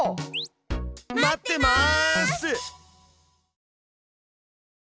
待ってます！